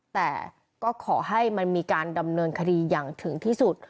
แต่ก็ขอให้มันมีการดำเนินคดีอย่างถึงที่สุด